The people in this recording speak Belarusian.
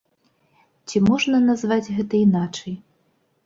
Ці можна назваць гэта іначай?